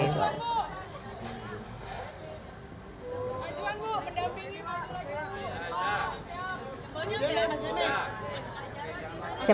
yang mengikuti bahasa suara cukup kuat sebenarnya di sumatera utara